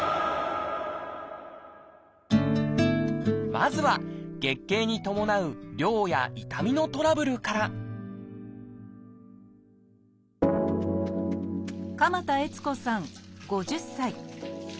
まずは月経に伴う量や痛みのトラブルから鎌田悦子さん５０歳。